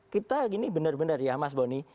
kita gini benar benar ya mas boni